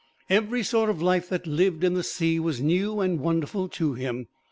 Every sort of life that lived in the sea was new and wonderful to him.